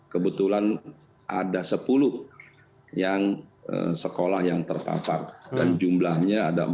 kebetulan ada sepuluh sekolah yang terpapar dan jumlahnya ada empat puluh